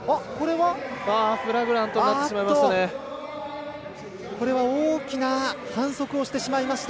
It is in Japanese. フラグラントになってしまいました。